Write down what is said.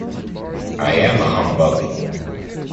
I am a humbug.